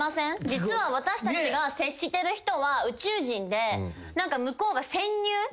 実は私たちが接してる人は宇宙人で向こうが地球に潜入。